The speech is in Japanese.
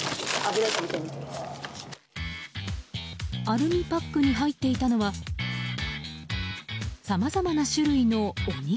アルミパックに入っていたのはさまざまな種類のお肉。